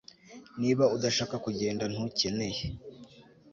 Niba udashaka kugenda ntukeneye